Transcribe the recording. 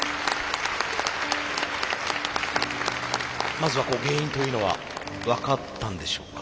まずは原因というのは分かったんでしょうか？